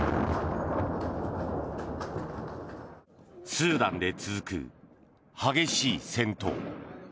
スーダンで続く、激しい戦闘。